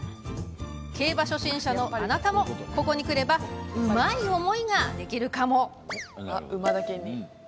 競馬初心者のあなたもここに来ればウマい思いができるかも？